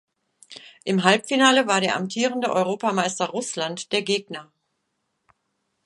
Im Halbfinale war der amtierende Europameister Russland der Gegner.